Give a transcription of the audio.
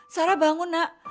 sarah bangun nak